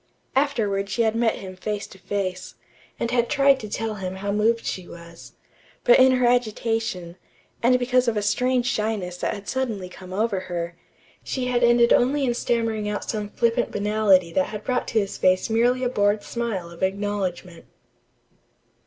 Afterward she had met him face to face, and had tried to tell him how moved she was; but in her agitation, and because of a strange shyness that had suddenly come to her, she had ended only in stammering out some flippant banality that had brought to his face merely a bored smile of acknowledgment.